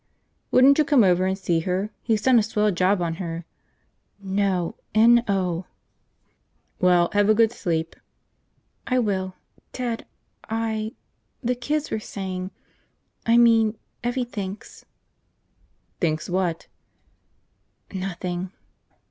"Wouldn't you come over and see her? He's done a swell job on her. ..." "No. N O." "Well, have a good sleep." "I will. Ted. .. I. .. The kids were saying. .. I mean, Evvie thinks ..." "Thinks what?" "Nothing."